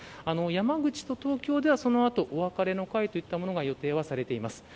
山口と東京では、その後お別れの会といったものが予定はされています。